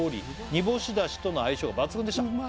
「煮干し出汁との相性が抜群でした」